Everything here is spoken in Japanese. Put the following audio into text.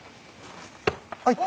はい！